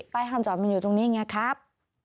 ป้ายห้ามจอดมันอยู่ตรงนี้ไงครับ